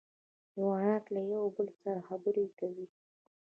حیوانات له یو بل سره خبرې کوي